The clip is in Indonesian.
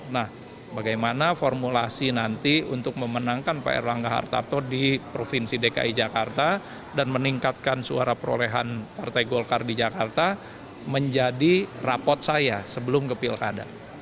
nah bagaimana formulasi nanti untuk memenangkan pak erlangga hartarto di provinsi dki jakarta dan meningkatkan suara perolehan partai golkar di jakarta menjadi rapot saya sebelum ke pilkada